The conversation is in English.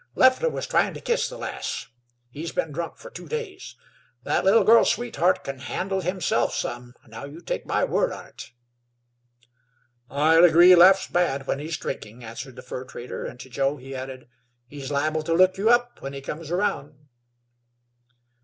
"Leffler was tryin' to kiss the lass. He's been drunk fer two days. That little girl's sweetheart kin handle himself some, now you take my word on it." "I'll agree Leff's bad when he's drinkin'," answered the fur trader, and to Joe he added, "He's liable to look you up when he comes around."